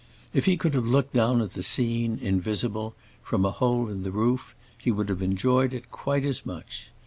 If he could have looked down at the scene, invisible, from a hole in the roof, he would have enjoyed it quite as much.